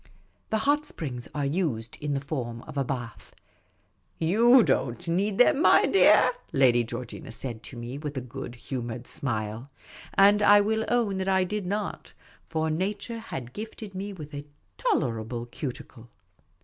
The hot springs are used in the form of a bath. " You don't need them, my dear," Lady Georgina said to me, with a good humoured smile ; and I will own that I did not, for nature had gifted me with a tolerable cuticle.